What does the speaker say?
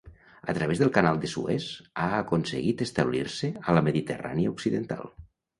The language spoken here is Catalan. A través del Canal de Suez ha aconseguit establir-se a la Mediterrània occidental.